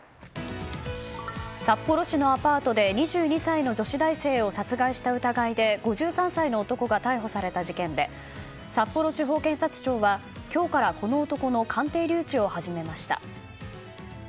札幌市のアパートで２２歳の女子大生を殺害した疑いで５３歳の男が逮捕された事件で札幌地方検察庁は今日からこの男の鑑定留置を始めました。